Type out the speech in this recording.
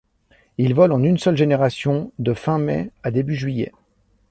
Il vole en une seule génération de fin mai à début juillet.